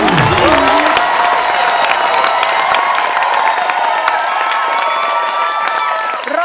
๒เมื่อ